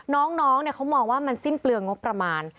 น้องเขามองว่ามันสิ้นเปลืองงบประมาณ